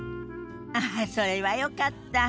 ああそれはよかった。